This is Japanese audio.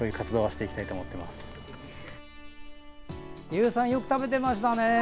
ゆうさんよく食べてましたね。